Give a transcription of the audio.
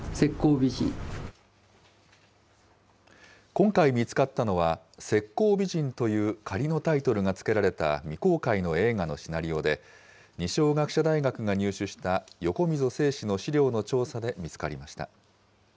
今回見つかったのは、石膏美人という仮のタイトルが付けられた未公開の映画のシナリオで、二松学舎大学が入手した横溝正史の資料の調査で見つかりました。